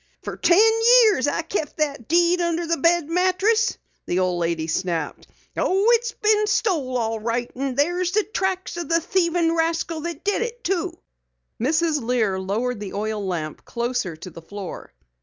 "Fer ten years I've kept that deed under the bed mattress!" the old lady snapped. "Oh, it's been stole all right. An' there's the tracks o' the thievin' rascal that did it too!" Mrs. Lear lowered the oil lamp closer to the floor.